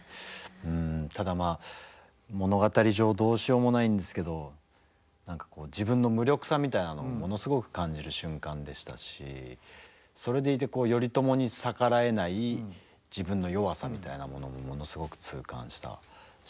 ただまあ物語上どうしようもないんですけど何かこう自分の無力さみたいなのをものすごく感じる瞬間でしたしそれでいて頼朝に逆らえない自分の弱さみたいなものもものすごく痛感したシーンで。